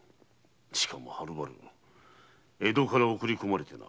しかもはるばる江戸から送り込まれてな。